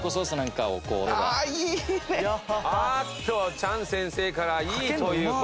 チャン先生から「いい」という声が。